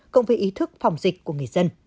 cộng với ý thức phòng dịch của người dân